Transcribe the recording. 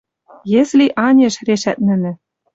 Если анеш решӓт нӹнӹ